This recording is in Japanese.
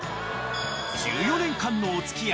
［１４年間のお付き合い